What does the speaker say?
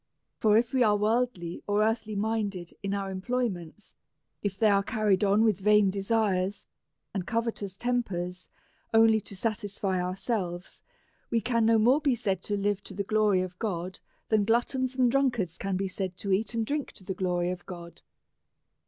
For, if we are worldly or earthly mind ed in our employments^ if they are carried on with vain desires and covetous tempers, only to satisfy our selves, we can no more be said to live to the glory of God than gluttons and drunkards can be said to eat and drink to the glory of God.